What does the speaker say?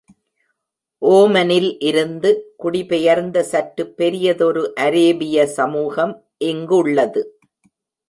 ஓமனில் இருந்து குடிபெயர்ந்த சற்று பெரியதொரு அரேபிய சமூகம் இங்குள்ளது.